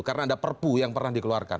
karena ada perpu yang pernah dikeluarkan